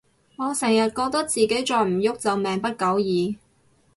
我成日覺得自己再唔郁就命不久矣